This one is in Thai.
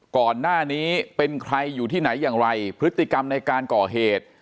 ก่อนหน้านี้เป็นใครอยู่ที่ไหนอย่างไรพฤติกรรมในการก่อเหตุ